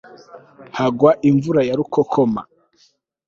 hagwa imvura ya rukokoma